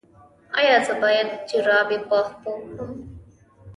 ایا زه باید جرابې په پښو کړم؟